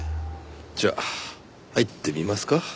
じゃあ入ってみますか？